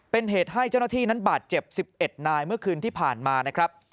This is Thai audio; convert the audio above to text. เป็นเหตุให้เจ้าหน้าที่นั้นบาดเจ็บ๑๑นายเมื่อคืนที่ผ่านมานะครับ